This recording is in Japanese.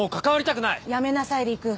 やめなさい陸。